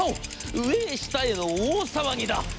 上を下への大騒ぎだ。